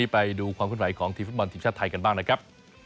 ไปดูความขึ้นไหวของทีมฟุตบอลทีมชาติไทยกันบ้างนะครับ